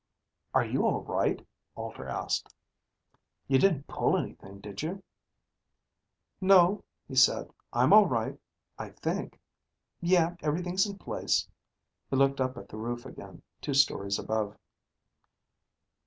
"Are you all right?" Alter asked. "You didn't pull anything, did you?" "No," he said. "I'm all right. I think. Yeah, everything's in place." He looked up at the roof again, two stories above.